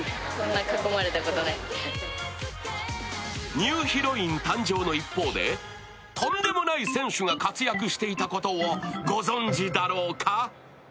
ニューヒロイン誕生の一方でとんでもない選手が活躍していたことをご存じだろうか。